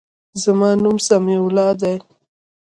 زما نوم سمیع الله دی.